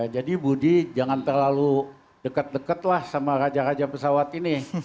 jadi budi jangan terlalu deket deket lah sama raja raja pesawat ini